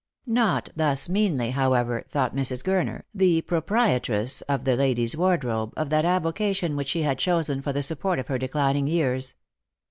Not thus meanly, however, thought Mrs. Gurner, the pro Erietress of the ladies' wardrobe, of that avocation which she ad chosen for the support of her declining years.